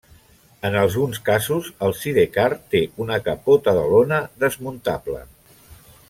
En alguns casos el sidecar té una capota de lona desmuntable.